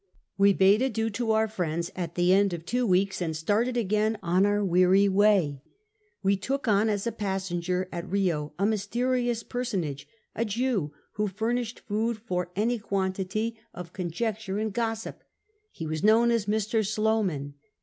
We bade adieu to our friends at the end of two weeks and started again on our weary way. We took on as a passenger at Rio a mysterious personage, a Jew, who furnished food for any quantity of con SKETCHES OF TRAVEL jecture and gossip. He was known as Mr. Slowman.